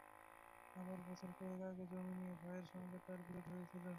আবার বছর কয়েক আগে জমি নিয়ে ভাইয়ের সঙ্গে তাঁর বিরোধ হয়েছিল।